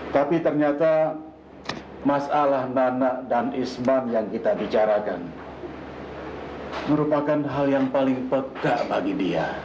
tapi ternyata masalah nana dan isman yang kita bicarakan merupakan hal yang paling pega bagi dia